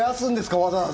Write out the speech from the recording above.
わざわざ。